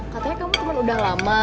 katanya kamu udah lama